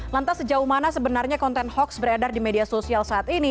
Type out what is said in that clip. lantas sejauh mana sebenarnya konten hoax beredar di media sosial saat ini